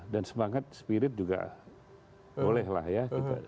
dan semangat spirit juga boleh lah ya